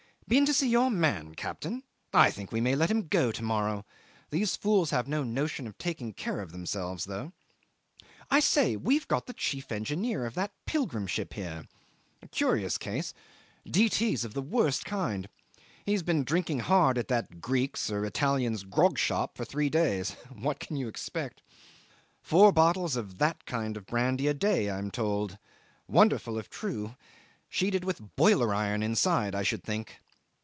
"Been to see your man, Captain? I think we may let him go to morrow. These fools have no notion of taking care of themselves, though. I say, we've got the chief engineer of that pilgrim ship here. A curious case. D.T.'s of the worst kind. He has been drinking hard in that Greek's or Italian's grog shop for three days. What can you expect? Four bottles of that kind of brandy a day, I am told. Wonderful, if true. Sheeted with boiler iron inside I should think.